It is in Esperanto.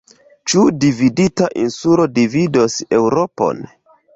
Ĉu dividita insulo dividos Eŭropon?